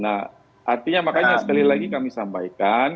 nah artinya makanya sekali lagi kami sampaikan